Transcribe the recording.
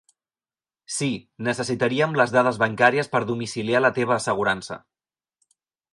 Sí, necessitaríem les dades bancàries per domiciliar la teva assegurança.